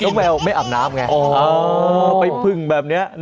เจ้าแมวไม่อาบน้ำไง